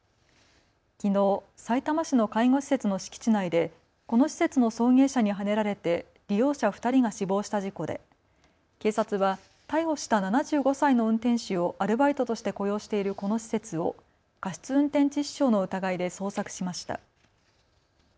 きのう、さいたま市の介護施設の敷地内でこの施設の送迎車にはねられて利用者２人が死亡した事故で警察は逮捕した７５歳の運転手をアルバイトとして雇用しているこの施設を過失運転致死傷の疑いで捜索しました。